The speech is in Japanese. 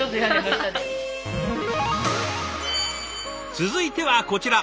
続いてはこちら！